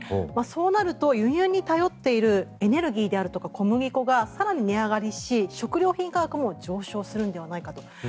そうなると輸入に頼っているエネルギーであるとか小麦粉が更に値上がりし食料品価格も上昇するのではないかと。